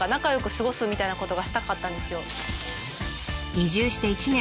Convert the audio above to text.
移住して１年。